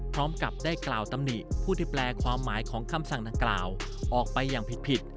พร้อมกับได้กล่าวตำหนิผู้ที่แปลความหมายของคำสั่งดังกล่าวออกไปอย่างผิด